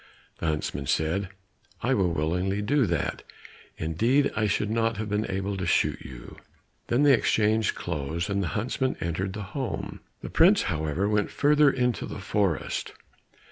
The huntsman said, "I will willingly do that, indeed I should not have been able to shoot you." Then they exchanged clothes, and the huntsman returned home; the prince, however, went further into the forest.